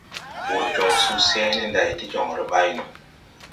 Wùr jɔŋ susɛʼ ne nday ti jɔŋre ɓay no.